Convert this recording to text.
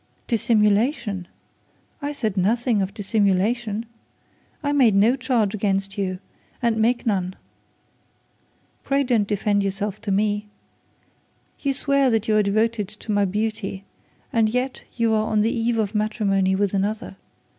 'Dissimulation! I said nothing of dissimulation. I made no charge against you, and make none. Pray don't defend yourself to me. You swear that you are devoted to my beauty, and yet you are on the eve of matrimony with another.